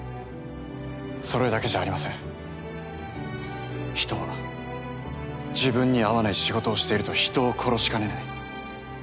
それだけじゃありません人は自分に合わない仕事をしていると人を殺しかねない。